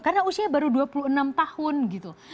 karena usianya baru dua puluh enam tahun gitu